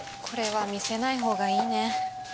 これは見せないほうがいいね。